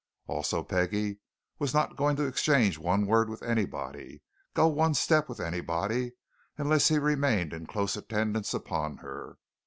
Also, Peggie was not going to exchange one word with anybody, go one step with anybody, unless he remained in close attendance upon her.